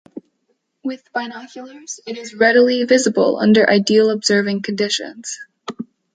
With binoculars it is readily visible under ideal observing conditions.